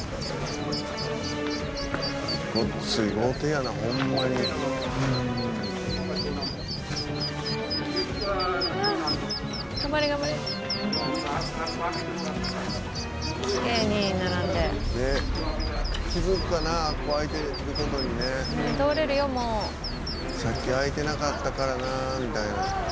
さっき開いてなかったからなみたいな。